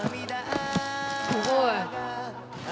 すごい！